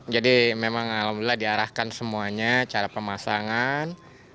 memang alhamdulillah diarahkan semuanya cara pemasangan